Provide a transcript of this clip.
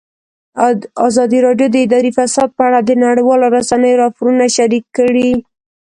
ازادي راډیو د اداري فساد په اړه د نړیوالو رسنیو راپورونه شریک کړي.